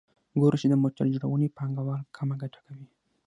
ګورو چې د موټر جوړونې پانګوال کمه ګټه کوي